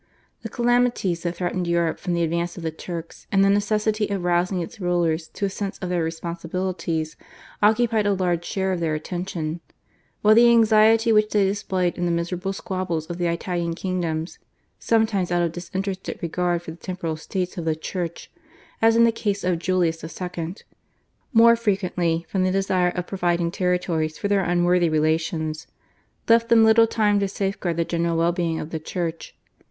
The calamities that threatened Europe from the advance of the Turks, and the necessity of rousing its rulers to a sense of their responsibilities occupied a large share of their attention; while the anxiety which they displayed in the miserable squabbles of the Italian kingdoms, sometimes out of disinterested regard for the temporal States of the Church, as in the case of Julius II., more frequently from a desire of providing territories for their unworthy relations, left them little time to safeguard the general well being of the Church.